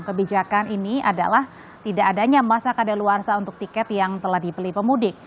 kebijakan ini adalah tidak adanya masa kada luar saha untuk tiket yang telah dipelih pemudik